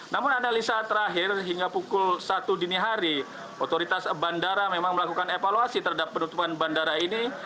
namun analisa terakhir hingga pukul satu dini hari otoritas bandara memang melakukan evaluasi terhadap penutupan bandara ini